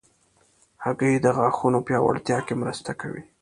هګۍ د غاښونو پیاوړتیا کې مرسته کوي.